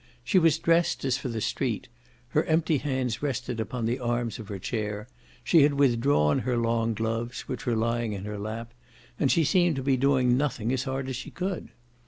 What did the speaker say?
She was dressed as for the street; her empty hands rested upon the arms of her chair she had withdrawn her long gloves, which were lying in her lap and she seemed to be doing nothing as hard as she could.